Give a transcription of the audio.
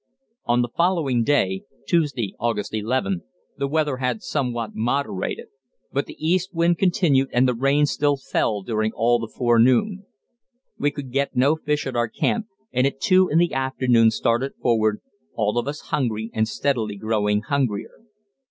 On the following day (Tuesday, August 11) the weather had somewhat moderated, but the east wind continued, and the rain still fell during all the forenoon. We could get no fish at our camp, and at two in the afternoon started forward, all of us hungry and steadily growing hungrier.